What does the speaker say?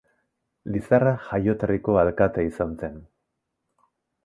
Lizarra jaioterriko alkate izan zen.